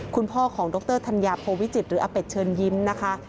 คุณพ่อของดรธัญญาโพวิจิตหรืออาเป็ดเชิญยิ้มนะคะ